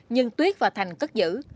nhưng tuyết và thành cất giữ